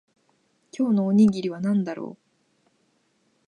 今日のおにぎりは何だろう